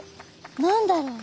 何だろう？